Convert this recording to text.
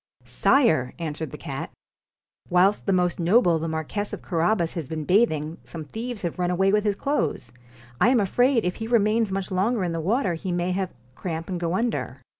'Sire!' answered the cat, * whilst the most noble the Marquess of Carabas has been bathing some thieves have run away with his clothes. I am afraid if he remains much longer in the water he may have cramp and go under.'